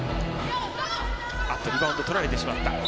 あっと、リバウンド取られてしまった。